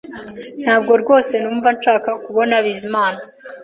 Ntabwo rwose numva nshaka kubona Bizimana